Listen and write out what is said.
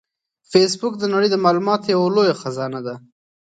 فېسبوک د نړۍ د معلوماتو یوه لویه خزانه ده